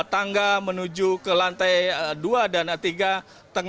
tangga menuju ke lantai dua dan tiga